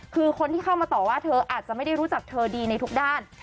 คือคนที่เข้ามาต่อว่าเธออาจจะไม่ได้รู้จักเธอดีในทุกด้าน